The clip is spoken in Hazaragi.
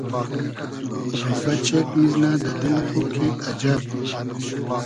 رۉبۂ چېگ میزنۂ دۂ دیل خو کی اجئب